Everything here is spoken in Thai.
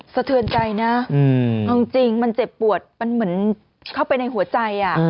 สะเทือนใจนะเอาจริงมันเจ็บปวดมันเหมือนเข้าไปในหัวใจ